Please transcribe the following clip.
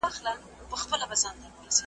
زما چي ژوند په یاد دی د شېبو غوندي تیریږي `